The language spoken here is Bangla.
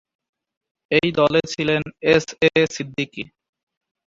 এই দলে ছিলেন এস এ সিদ্দিকী।